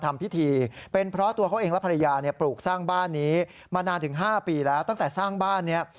มานานถึง๕ปีแล้วตั้งแต่สร้างบ้านนี้